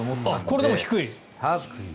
これでも低い？